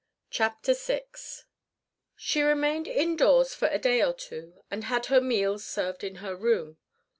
CHAPTER VI She remained indoors for a day or two and had her meals served in her room.